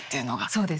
そうです。